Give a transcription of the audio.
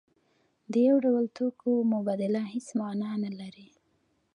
د یو ډول توکو مبادله هیڅ مانا نلري.